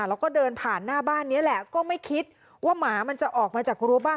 แล้วก็เดินผ่านหน้าบ้านนี้แหละก็ไม่คิดว่าหมามันจะออกมาจากรั้วบ้าน